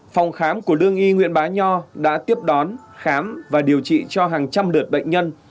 phòng khám của lương y huyện bá nho đã tiếp đón khám và điều trị cho hàng trăm lượt bệnh nhân